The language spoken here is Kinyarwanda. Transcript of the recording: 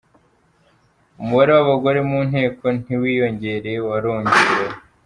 Umubare w’abagore mu Nteko ntiwiyongereye, warongerewe.